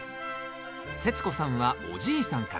世津子さんはおじいさんから。